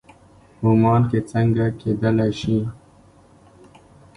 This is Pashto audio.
عمان کې څنګه کېدلی شي.